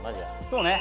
そうね。